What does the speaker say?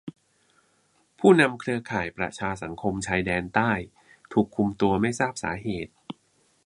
ผู้นำเครือข่ายประชาสังคมชายแดนใต้ถูกคุมตัวไม่ทราบสาเหตุ